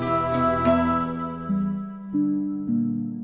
c menyebut banjat